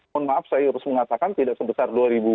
mohon maaf saya harus mengatakan tidak sebesar dua ribu enam belas